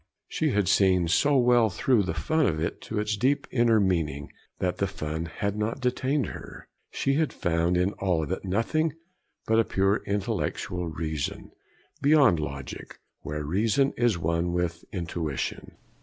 She had seen so well through the fun to its deep inner meaning that the fun had not detained her. She had found in all of it nothing but a pure intellectual reason, beyond logic, where reason is one with intuition.